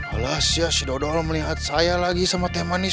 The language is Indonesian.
alas ya sudah dong melihat saya lagi sama teh manis